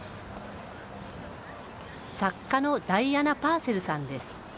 作家のダイアナ・パーセルさんです。